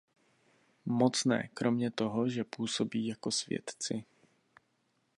Moc ne, kromě toho, že působí jako svědci.